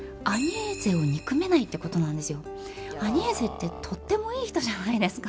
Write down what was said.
アニェーゼってとってもいい人じゃないですか。